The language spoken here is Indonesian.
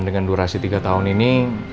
dengan durasi tiga tahun ini